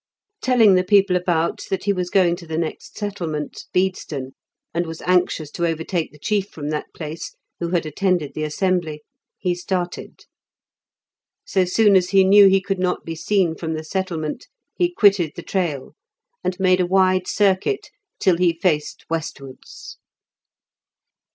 Telling the people about that he was going to the next settlement, Bedeston, and was anxious to overtake the chief from that place who had attended the assembly, he started. So soon as he knew he could not be seen from the settlement he quitted the trail, and made a wide circuit till he faced westwards.